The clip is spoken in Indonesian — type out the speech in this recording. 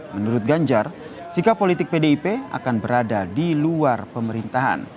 menurut ganjar sikap politik pdip akan berada di luar pemerintahan